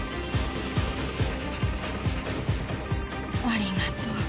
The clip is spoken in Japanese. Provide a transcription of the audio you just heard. ありがとう。